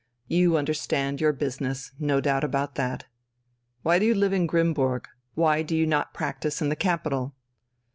You understand your business, no doubt about that. Why do you live in Grimmburg? Why do you not practise in the capital?"